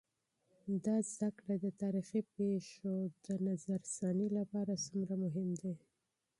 دا علم د تاريخي پېښو د تحلیل لپاره څومره مهم دی؟